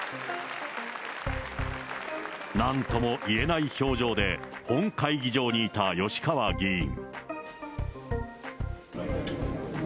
なんともいえない表情で本会議場にいた吉川議員。